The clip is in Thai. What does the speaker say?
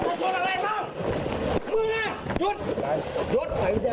อยากกลางโรงงานเหรอ